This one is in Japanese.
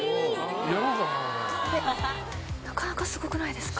なかなかすごくないですか？